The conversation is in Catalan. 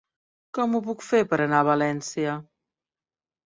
Com ho puc fer per anar a València?